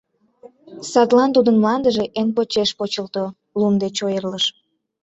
Садлан тудын мландыже эн почеш почылто — лум деч ойырлыш.